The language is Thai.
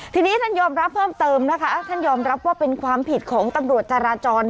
ทีนี้ท่านยอมรับเพิ่มเติมนะคะท่านยอมรับว่าเป็นความผิดของตำรวจจาราจร